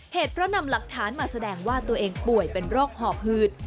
เหตุเพราะนำหลักฐานมาแสดงว่าตัวเองป่วยเป็นโรคห่อหืด